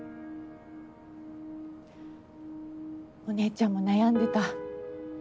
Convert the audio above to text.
お姉ちゃんも悩んでた。